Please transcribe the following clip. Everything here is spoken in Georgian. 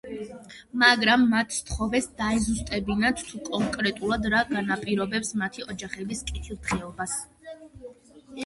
მაგრამ, მათ სთხოვეს დაეზუსტებინათ, თუ კონკრეტულად რა განაპირობებს მათი ოჯახების კეთილდღეობას.